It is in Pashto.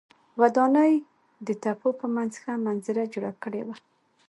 ودانۍ د تپو په منځ ښه منظره جوړه کړې وه.